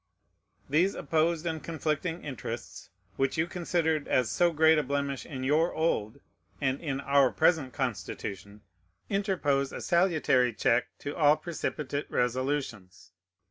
These opposed and conflicting interests, which you considered as so great a blemish in your old and in our present Constitution, interpose a salutary check to all precipitate resolutions.